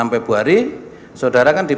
februari saudara kan di